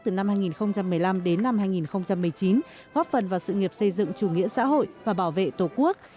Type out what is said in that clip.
từ năm hai nghìn một mươi năm đến năm hai nghìn một mươi chín góp phần vào sự nghiệp xây dựng chủ nghĩa xã hội và bảo vệ tổ quốc